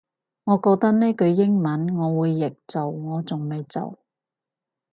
我覺得呢句英文我會譯做我仲未做